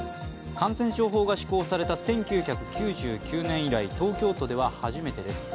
感染症法が施行された１９９９年以来、東京都では初めてです。